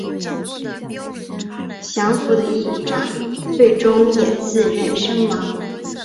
降伏的义长最终也自刃身亡。